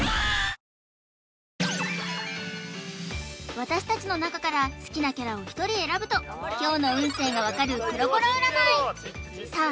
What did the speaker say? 私達の中から好きなキャラを１人選ぶと今日の運勢が分かるコロコロ占いさあ